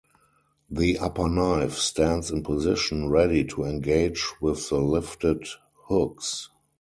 The upper knife stands in position ready to engage with the lifted hooks.